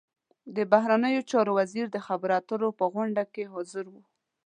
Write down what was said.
د بهرنیو چارو وزیر د خبرو اترو په غونډه کې حاضر و.